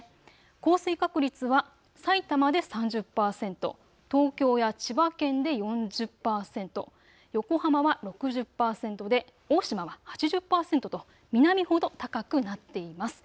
降水確率は、さいたまで３０％、東京や千葉県で４０％、横浜は６０％で大島は８０％と南ほど高くなっています。